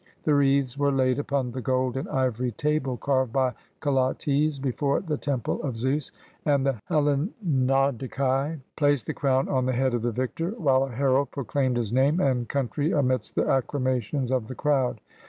The wreaths were laid upon the gold and ivory table carved by Colotes before the temple of Zeus, and the Hellanodicae placed the crown on the head of the victor, while a herald proclaimed his name and country amidst the acclamations of the crowd.